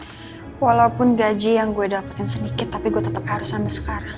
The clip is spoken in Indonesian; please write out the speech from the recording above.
hai walaupun gaji yang gue dapetin sedikit tapi gue tetap harus sampai sekarang